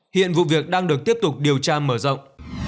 hiện vụ việc đang được tiếp tục điều tra mở rộng